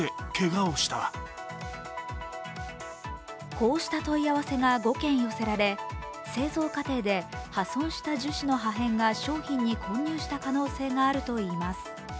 こうした問い合わせが５件寄せられ、製造過程で破損した樹脂の破片が商品に混入した可能性があるといいます。